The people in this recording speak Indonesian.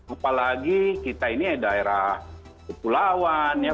apalagi kita ini daerah kepulauan ya